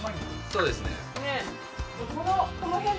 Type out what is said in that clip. そうですね。